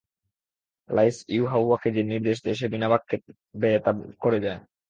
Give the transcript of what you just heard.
লাঈছ ইউহাওয়াকে যে নির্দেশ দেয়, সে বিনা বাক্য ব্যয়ে তা করে যায়।